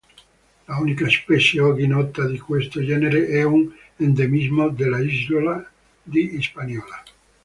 L'unica specie oggi nota di questo genere è un endemismo dell'isola di Hispaniola.